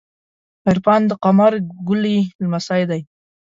عرفان د قمر ګلی لمسۍ ده.